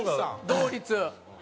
同率。